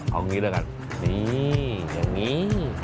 เอางี้ละกันอย่างนี้